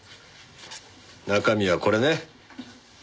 中身はこれね。